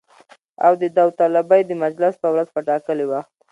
او د داوطلبۍ د مجلس په ورځ په ټاکلي وخت